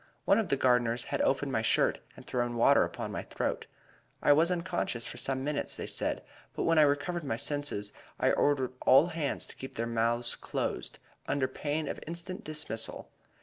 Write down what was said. One of the gardeners had opened my shirt and thrown water upon my throat. I was unconscious for some minutes, they said; but when I recovered my senses I ordered all hands to keep their mouths closed, under pain of instant dismissal.